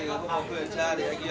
em chẳng chẳng chẳng